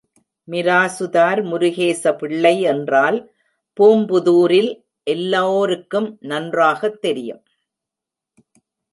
மிராசுதார் முருகேச பிள்ளை என்றால் பூம்புதூரில் எல்லோருக்கும் நன்றாகத் தெரியும்.